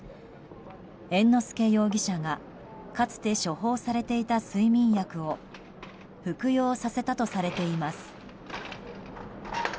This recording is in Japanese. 猿之助容疑者がかつて処方されていた睡眠薬を服用させたとされています。